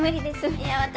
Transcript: いや私